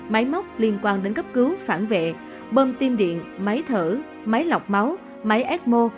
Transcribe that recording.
máy móc liên quan đến cấp cứu phản vệ bơm tim điện máy thở máy lọc máu máy ecmo